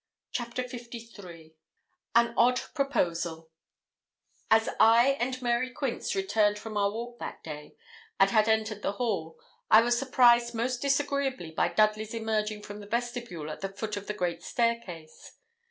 CHAPTER LIII AN ODD PROPOSAL As I and Mary Quince returned from our walk that day, and had entered the hall, I was surprised most disagreeably by Dudley's emerging from the vestibule at the foot of the great staircase.